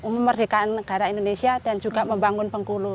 memerdekaan negara indonesia dan juga membangun bengkulu